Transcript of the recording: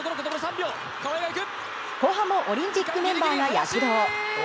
後半もオリンピックメンバーが躍動。